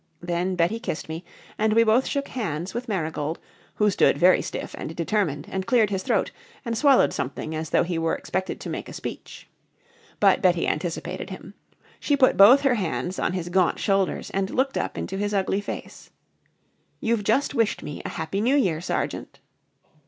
Then Betty kissed me and we both shook hands with Marigold, who stood very stiff and determined and cleared his throat and swallowed something as though he were expected to make a speech. But Betty anticipated him. She put both her hands on his gaunt shoulders and looked up into his ugly face. "You've just wished me a Happy New Year, Sergeant."